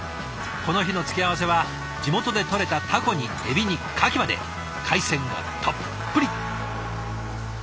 この日の付け合わせは地元でとれたたこにえびにかきまで海鮮がたっぷり。